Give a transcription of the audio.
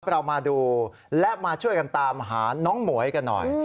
เรามาดูและมาช่วยกันตามหาน้องหมวยกันหน่อย